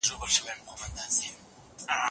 زموږ د تاریخ له پلوه ډېری څېړنې مهمې دي.